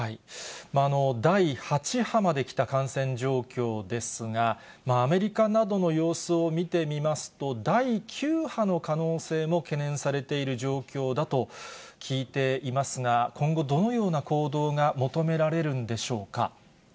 第８波まできた感染状況ですが、アメリカなどの様子を見てみますと、第９波の可能性も懸念されている状況だと聞いていますが、今後、どのような行動が求められるんでしょうか。